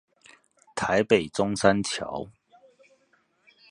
台北中山橋